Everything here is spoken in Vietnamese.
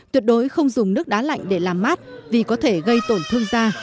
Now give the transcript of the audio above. tuyệt đối không dùng nước đá lạnh để làm mát vì có thể gây tổn thương da